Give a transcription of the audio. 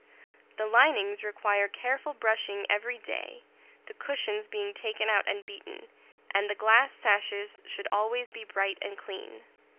The linings require careful brushing every day, the cushions being taken out and beaten, and the glass sashes should always be bright and clean.